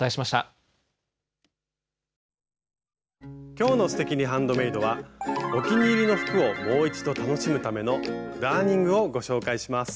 今日の「すてきにハンドメイド」はお気に入りの服をもう一度楽しむための「ダーニング」をご紹介します。